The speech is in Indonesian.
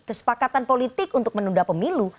kesepakatan politik untuk menunda pemilu